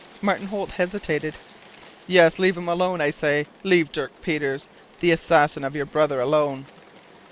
Martin Holt hesitated. "Yes, leave him alone, I say; leave Dirk Peters, the assassin of your brother, alone."